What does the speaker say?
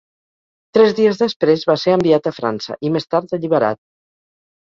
Tres dies després va ser enviat a França, i més tard alliberat.